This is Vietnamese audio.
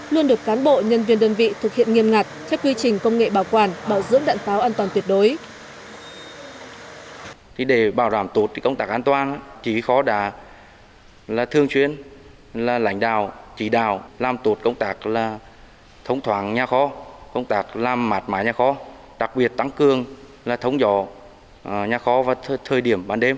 luôn được cán bộ nhân viên đơn vị thực hiện nghiêm ngặt theo quy trình công nghệ bảo quản bảo dưỡng đạn pháo an toàn tuyệt đối